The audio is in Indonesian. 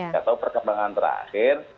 saya tahu perkembangan terakhir